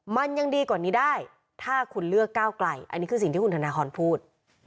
มันยังดีกว่านี้ได้ถ้าคุณเลือกก้าวไกลอันนี้คือสิ่งที่คุณธนทรพูด